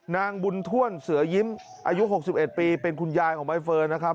นางบุญถ้วนเสือยิ้มอายุ๖๑ปีเป็นคุณยายของใบเฟิร์นนะครับ